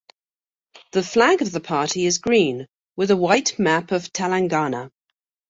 The flag of the party is green, with a white map of Telangana.